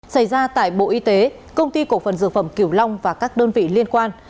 xảy ra tại bộ y tế công ty cổ phần dược phẩm kiểu long và các đơn vị liên quan